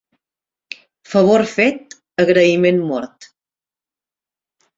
Favor fet, agraïment mort.